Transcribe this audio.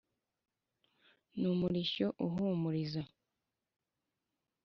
N’umurishyo uhumuriza,